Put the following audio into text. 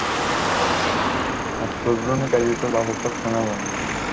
আমি জামাকাপড় কিনতে যাচ্ছি।